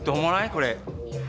これ。